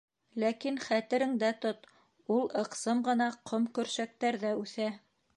— Ләкин хәтерендә тот: ул ыҡсым ғына ҡомкөр-шәктәрҙә үҫә.